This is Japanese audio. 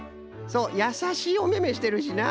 そうやさしいおめめしてるしな。